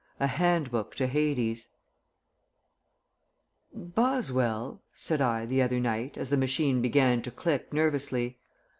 A HAND BOOK TO HADES "Boswell," said I, the other night, as the machine began to click nervously.